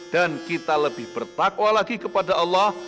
dan kita lebih bertakwa lagi kepada allah